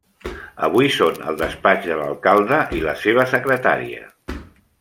Avui són el despatx de l'alcalde i la seva secretària.